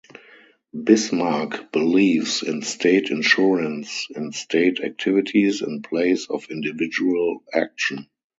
Bismarck believes in state insurance in state activities, in place of individual action.